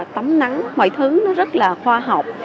tắm nắng mọi thứ nó rất là khoa học